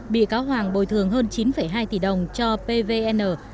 bị cáo hoàng bồi thường hơn chín hai tỷ đồng cho pvn